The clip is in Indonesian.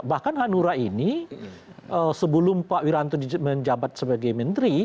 bahkan hanura ini sebelum pak wiranto menjabat sebagai menteri